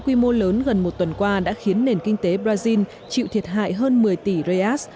quy mô lớn gần một tuần qua đã khiến nền kinh tế brazil chịu thiệt hại hơn một mươi tỷ read